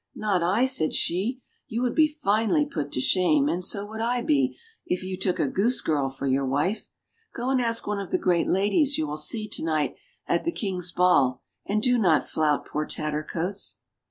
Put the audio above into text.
"Not I," said she, "you would be finely put to shame, and so would I be, if you took a goose girl for your wife ! Go and ask one of the great TATTERCOATS 59 ladies you will see to night at the King's ball and do not flout poor Tattercoats."